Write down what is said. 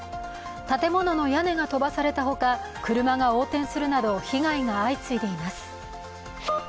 建物の屋根が飛ばされたほか、車が横転するなど被害が相次いでいます。